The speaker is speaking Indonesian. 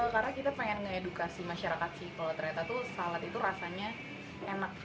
karena kita pengen ngedukasi masyarakat sih kalau ternyata salad itu rasanya enak